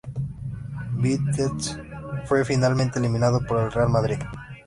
Vitesse fue finalmente eliminado por el Real Madrid.